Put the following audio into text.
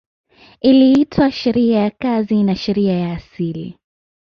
Iliitwa sheria ya kazi na sheria ya asili